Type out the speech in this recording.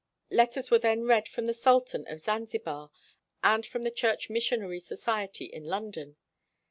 Letters were then read from the Sultan of Zanzibar and from the Church Mission ary Society in London.